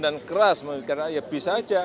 dan keras ya bisa saja